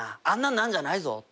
「あんなんなんじゃないぞ」